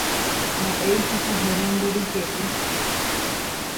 Mba'éichapa héra nde ryke'y.